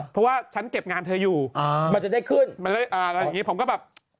เพราะว่าฉันเก็บงานเธออยู่มันจะได้ขึ้นมันได้อะไรอย่างนี้ผมก็แบบ